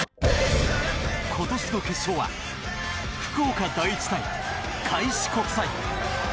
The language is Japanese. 今年の決勝は福岡第一対開志国際。